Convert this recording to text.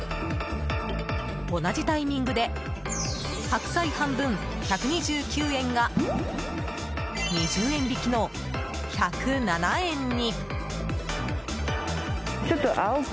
同じタイミングで白菜半分１２９円が２０円引きの１０７円に。